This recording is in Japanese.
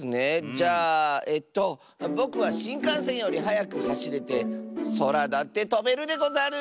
じゃあえとぼくはしんかんせんよりはやくはしれてそらだってとべるでござる！